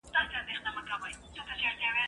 افغانان پر دوی غالبه کيږي.